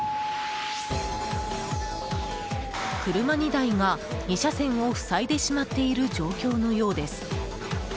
車２台が２車線を塞いでしまっている状況のようです。